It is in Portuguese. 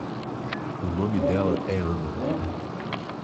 O nome dela é Ana.